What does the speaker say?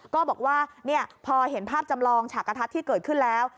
ก็บอกว่าพอเห็นภาพจำลองฉากกระทัดที่เกิดขึ้นแล้ว